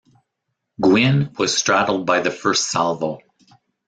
"Gwin" was straddled by the first salvo.